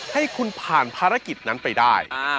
ให้คุณผ่านภารกิจนั้นไปได้